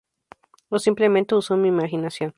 O simplemente uso mi imaginación.